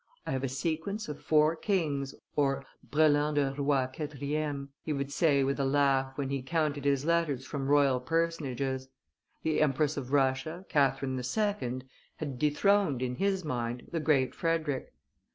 "I have a sequence of four kings" (brelan de roi quatrieme), he would say with a laugh when he counted his letters from royal personages. The Empress of Russia, Catherine II., had dethroned, in his mind, the Great Frederick.